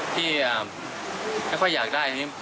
พี่ไม่ค่อยอยากได้